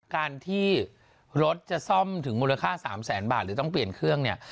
การที่รถจะซ่อมถึงมูลค่า๓แสนบาทหรือต้องเปลี่ยนเครื่องเนี่ย